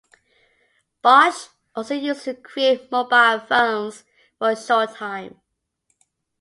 Bosch also used to create mobile phones for a short time.